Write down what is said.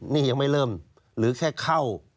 ก็ไม่เริ่มหรือแค่เข้า